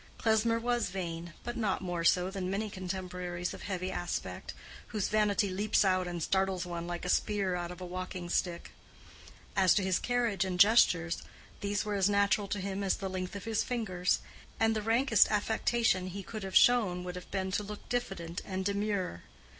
Klesmer was vain, but not more so than many contemporaries of heavy aspect, whose vanity leaps out and startles one like a spear out of a walking stick; as to his carriage and gestures, these were as natural to him as the length of his fingers; and the rankest affectation he could have shown would have been to look diffident and demure.